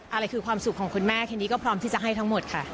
อะไรคือความสุขของคุณแม่ทีนี้ก็พร้อมที่จะให้ทั้งหมดค่ะ